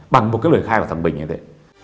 bằng một cái lời khai của thằng bình như thế